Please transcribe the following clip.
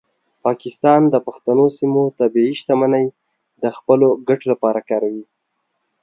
پاکستان د پښتنو سیمو طبیعي شتمنۍ د خپلو ګټو لپاره کاروي.